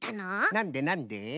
なんでなんで？